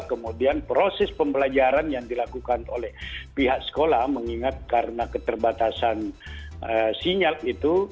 kemudian proses pembelajaran yang dilakukan oleh pihak sekolah mengingat karena keterbatasan sinyal itu